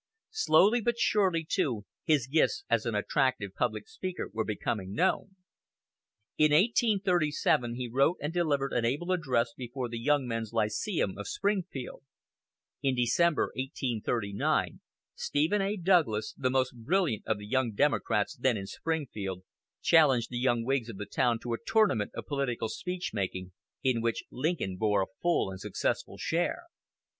Slowly but surely, too, his gifts as an attractive public speaker were becoming known. In 1837 he wrote and delivered an able address before the Young Men's Lyceum of Springfield. In December, 1839, Stephen A. Douglas, the most brilliant of the young Democrats then in Springfield, challenged the young Whigs of the town to a tournament of political speech making, in which Lincoln bore a full and successful share.